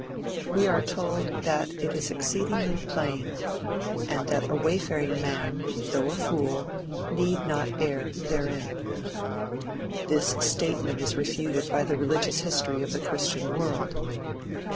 We are told that it is exceedingly plain, and that a wayfaring man, though a fool, need not err therein. This statement is refuted by the religious history of the christian world.